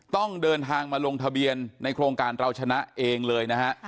ต้องเดินทางมาลงทะเบียนในโครงการเราชนะเองเลยนะฮะ